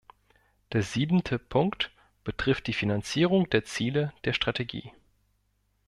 Der siebente Punkt betrifft die Finanzierung der Ziele der Strategie.